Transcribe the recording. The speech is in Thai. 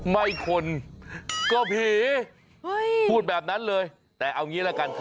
ไม่คนก็ผีพูดแบบนั้นเลยแต่เอางี้ละกัน